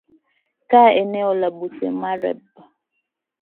ka eneo la dusomareb